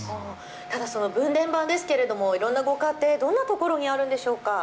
ただ、その分電盤ですがいろんなご家庭、どんなところにあるんでしょうか。